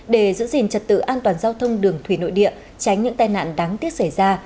để giữ gìn trật tự an toàn giao thông đường thủy nội địa tránh những tai nạn đáng tiếc xảy ra